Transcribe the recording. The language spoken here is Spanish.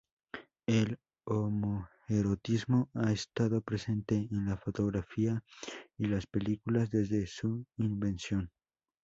El homoerotismo ha estado presente en la fotografía y las películas desde su invención.